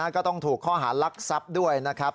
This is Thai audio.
ก็ต้องถูกข้อหารักทรัพย์ด้วยนะครับ